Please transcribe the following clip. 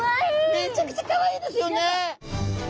めちゃくちゃかわいいですよね！